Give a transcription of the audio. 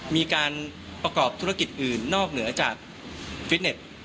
มีการประกอบธุรกิจอื่นนอกเหนือจากฟิตเน็ต